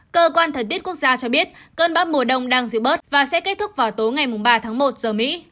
cơ quan thời tiết quốc gia cho biết cơn bão mùa đông đang giữ bớt và sẽ kết thúc vào tối ngày ba tháng một giờ mỹ